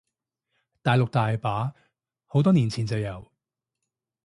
大陸大把，好多年前就有